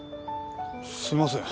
すみません。